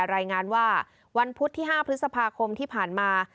รายงานว่าวันพุธที่๕พฤษภาคมที่ผ่านมา